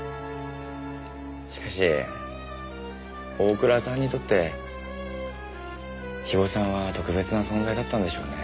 しかし大倉さんにとって肥後さんは特別な存在だったんでしょうね。